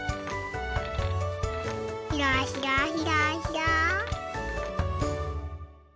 ひらひらひらひら。